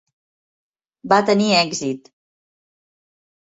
Va tenir èxit.